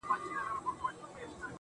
خدايه ښامار د لمر رڼا باندې راوښويدی